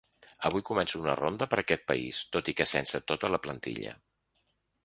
Avui comença una ronda per aquest país, tot i que sense tota la plantilla.